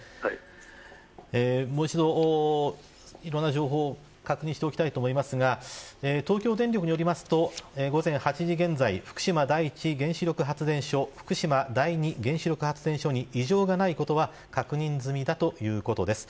もう一度、いろんな情報を確認しておきたいと思いますが東京電力によりますと午前８時現在福島第一原子力発電所福島第二原子力発電所に異常がないことは確認済みだということです。